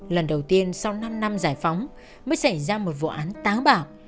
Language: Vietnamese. lần đầu tiên sau năm năm giải phóng mới xảy ra một vụ án táo bảo